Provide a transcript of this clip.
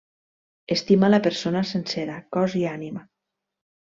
Estima la persona sencera, cos i ànima.